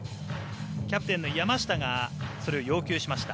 キャプテンの山下が要求しました。